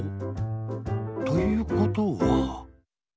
ということは。